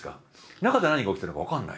中で何が起きてるか分かんない。